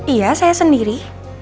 iya saya sendiri